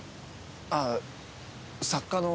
あ作家の。